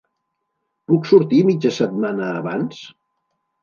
Puc sortir mitja setmana abans?